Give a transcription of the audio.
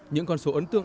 những con số ấn tượng